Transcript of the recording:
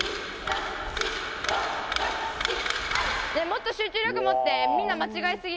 ねえ、もっと集中力持って、みんな、間違えすぎ。